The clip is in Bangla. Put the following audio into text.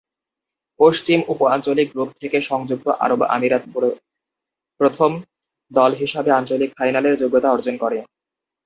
পশ্চিম উপ-আঞ্চলিক গ্রুপ থেকে সংযুক্ত আরব আমিরাত প্রথম দল হিসাবে আঞ্চলিক ফাইনালের যোগ্যতা অর্জন করে।